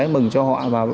mừng cho họ